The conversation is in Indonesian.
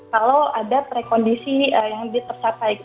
kalau ada prekondisi yang diterapai gitu